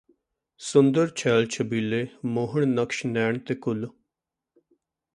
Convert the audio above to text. ਸੁੰਦਰ ਛੈਲਸਜੀਲੇ ਮੋਹਣ ਨਕਸ਼ ਨੈਣ ਨੇ ਕੁੱਲ